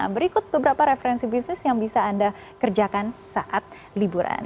berikut beberapa referensi bisnis yang bisa anda kerjakan saat liburan